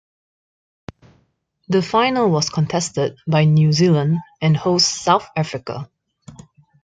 The final was contested by New Zealand and hosts South Africa.